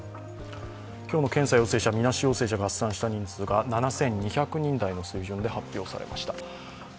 今日の検査陽性者、みなし陽性者合算した人数が７２００人台の水準で発表されました。